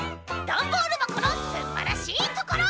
「ダンボールばこのすんばらしいところ！」。